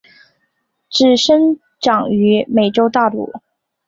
只生长于美洲大陆。